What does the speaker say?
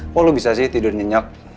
kok lo bisa sih tidur nyenyak